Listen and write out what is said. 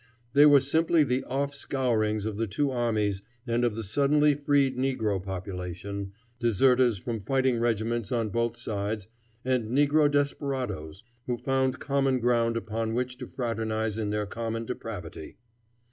They were simply the offscourings of the two armies and of the suddenly freed negro population, deserters from fighting regiments on both sides, and negro desperadoes, who found common ground upon which to fraternize in their common depravity.